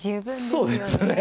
そうですね。